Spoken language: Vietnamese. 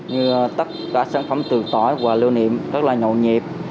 như tất cả sản phẩm từ tỏi và lưu niệm rất là nhộn nhịp